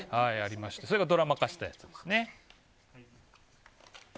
それがドラマ化したやつですね。